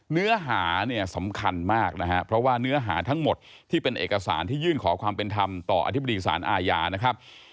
เนื้อหาเนี่ยสำคัญมากนะฮะเพราะว่าเนื้อหาทั้งหมดที่เป็นเอกสารที่ยื่นขอความเป็นธรรมต่ออธิบดีสารอาญานะครับ